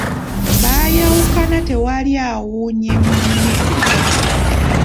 Baaayawukana tewali awuunye munne.